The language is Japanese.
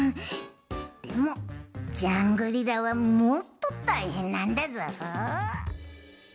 でもジャングリラはもっとたいへんなんだぞ。